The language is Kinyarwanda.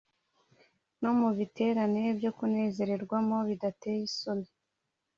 no mu biterane byo kunezererwamo bidateye isoni